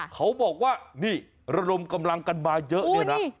เขาบอกว่าระลมกำลังกันมาเยอะ